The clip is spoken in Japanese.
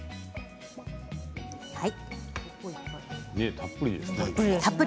たっぷりですね。